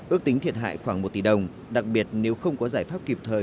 ước tính thiệt hại khoảng một tỷ đồng đặc biệt nếu không có giải pháp kịp thời